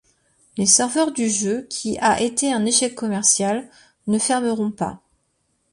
Les serveurs du jeu, qui a été un échec commercial, ne fermeront pas.